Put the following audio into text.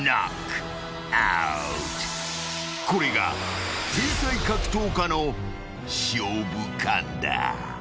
［これが天才格闘家の勝負勘だ］